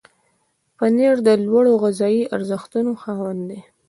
پنېر د لوړو غذایي ارزښتونو خاوند دی.